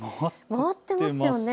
回っていますね。